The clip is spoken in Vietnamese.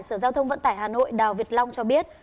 sở giao thông vận tải hà nội đào việt long cho biết